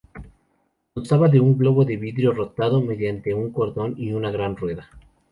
Constaba de un globo de vidrio rotado mediante un cordón y una gran rueda.